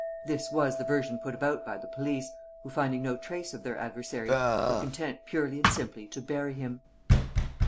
This was the version put about by the police, who, finding no trace of their adversary, were content purely and simply to bury him.